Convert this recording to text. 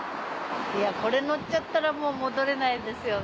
これ乗っちゃったらもう戻れないですよね。